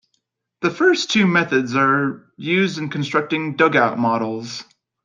The first two methods are used in constructing dugout models.